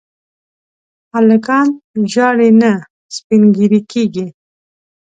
هلکان ژاړي نه، سپين ږيري کيږي.